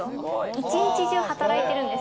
一日中、働いてるんです。